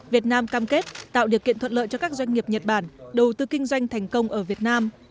việt nam cam kết tạo điều kiện thuận lợi cho các doanh nghiệp nhật bản đầu tư kinh doanh thành công ở việt nam